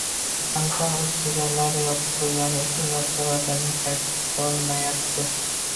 Turkmaniston o‘z chegaralarini yopib qo‘ygani uchun yoshlar vataniga qaytolmayapti